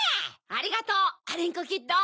ありがとうアリンコキッド！